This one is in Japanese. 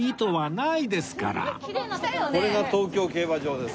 これが東京競馬場です。